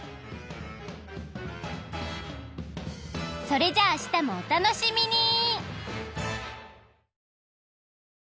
それじゃあ明日もお楽しみに！